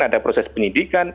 ada proses penyelidikan